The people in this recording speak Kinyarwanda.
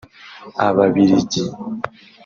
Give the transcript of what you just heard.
ababiligi